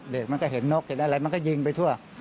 เด็กมันก็เห็นนกเห็นอะไรมันก็ยิงไปทั่ว